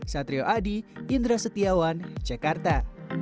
satrio adi indra setiawan jakarta